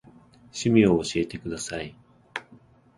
趣味を教えてください。